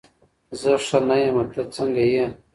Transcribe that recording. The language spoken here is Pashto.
زه ښه نه یمه، ته څنګه یې؟